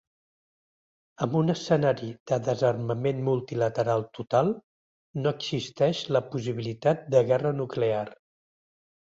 Amb un escenari de desarmament multilateral total, no existeix la possibilitat de guerra nuclear.